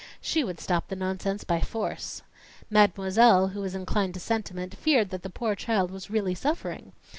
She would stop the nonsense by force. Mademoiselle, who was inclined to sentiment, feared that the poor child was really suffering.